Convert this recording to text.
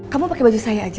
kamu pakai baju saya aja